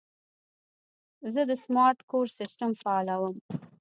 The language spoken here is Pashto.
زه د سمارټ کور سیسټم فعالوم.